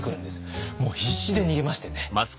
もう必死で逃げましてね。